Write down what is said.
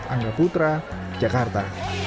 angga putra jakarta